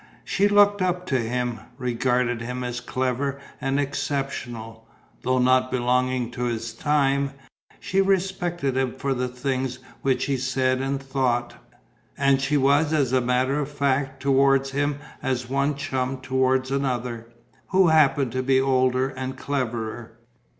She looked up to him, regarded him as clever and exceptional, though not belonging to his time; she respected him for the things which he said and thought; and she was as matter of fact towards him as one chum towards another, who happened to be older and cleverer.